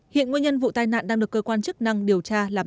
hiện nguyên nhân vụ tai nạn đang được cơ quan chức năng điều tra làm rõ